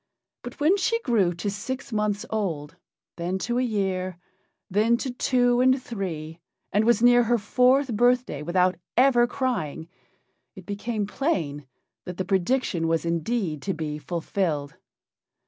But when she grew to six months old, then to a year, then to two and three, and was near her fourth birthday without ever crying, it became plain that the prediction was indeed to be fulfilled.